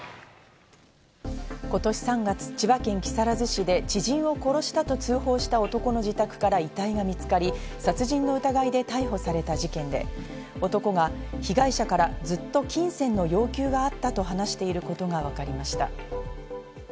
今年３月、千葉県木更津市で知人を殺したと通報した男の自宅から遺体が見つかり、殺人の疑いで逮捕された事件で、男が被害者からずっと金銭の要求があったと話していることがわかりました。